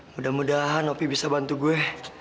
mudah mudahan opi bisa bantu gue